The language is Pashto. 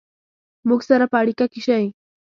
مونږ سره په اړیکه کې شئ